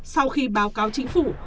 sau khi báo cáo chính phủ